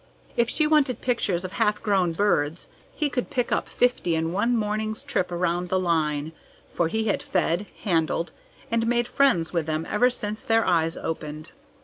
If she wanted pictures of half grown birds, he could pick up fifty in one morning's trip around the line, for he had fed, handled, and made friends with them ever since their eyes opened.